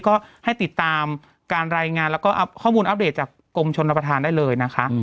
ก็ให้ติดตามการรายงานแล้วก็ข้อมูลอัปเดตจากกรมชนประธานได้เลยนะคะ